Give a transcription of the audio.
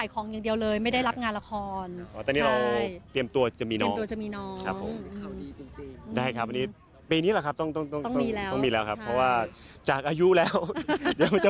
แต่ว่าเราเห็นภาพพ่อคุณอย่างนี้แล้วมีความสุขเนอะ